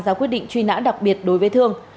ra quyết định truy nã đặc biệt đối với thương